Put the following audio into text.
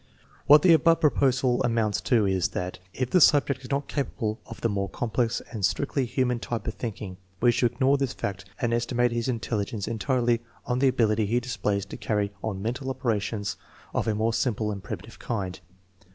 What the above proposal amounts to is, that if the subject is not capable of the more complex and strictly human type of thinking, we should ignore this fact and estimate his intelligence entirely on the ability he displays to carry on mental operations of a more simple and primitive kind.